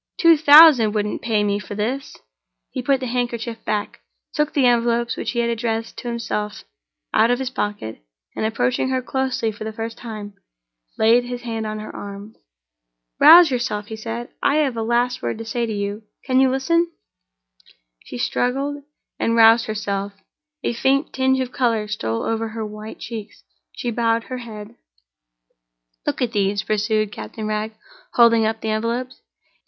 "Two thousand wouldn't pay me for this!" He put the handkerchief back, took the envelopes which he had addressed to himself out of his pocket, and, approaching her closely for the first time, laid his hand on her arm. "Rouse yourself," he said, "I have a last word to say to you. Can you listen?" She struggled, and roused herself—a faint tinge of color stole over her white cheeks—she bowed her head. "Look at these," pursued Captain Wragge, holding up the envelopes.